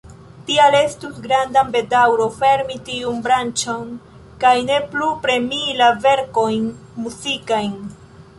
Tial estus granda bedaŭro fermi tiun branĉon kaj ne plu premii la verkojn muzikajn.